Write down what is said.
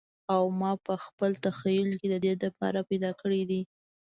او ماپه خپل تخیل کی ددې د پاره را پیدا کړی دی